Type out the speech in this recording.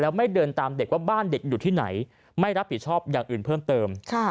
ว่าบ้านเด็กอยู่ที่ไหนไม่รับผิดชอบอย่างอื่นเพิ่มเติมค่ะ